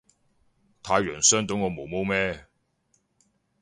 太陽傷到我毛毛咩